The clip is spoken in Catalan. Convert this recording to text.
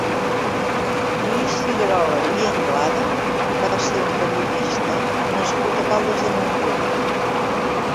Lluís Figuerola i Anglada va ser un periodista nascut a Caldes de Montbui.